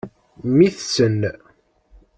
Mmi-tsen.